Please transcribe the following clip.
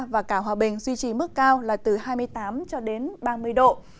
và cả hòa bình duy trì mức cao là từ hai mươi tám ba mươi độ